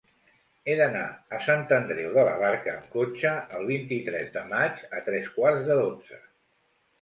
He d'anar a Sant Andreu de la Barca amb cotxe el vint-i-tres de maig a tres quarts de dotze.